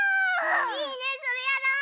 いいねそれやろう！